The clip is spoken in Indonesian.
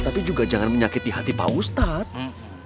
tapi juga jangan menyakiti hati pak ustadz